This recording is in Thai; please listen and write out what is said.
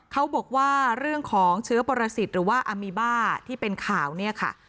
เขาบอกว่าเรื่องของเชื้อปรสิทธิ์หรือว่าอามีบ้าที่เป็นข่าวเนี่ยค่ะ